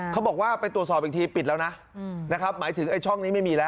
เขาบอกว่าไปตรวจสอบอีกทีปิดแล้วนะนะครับหมายถึงไอ้ช่องนี้ไม่มีแล้ว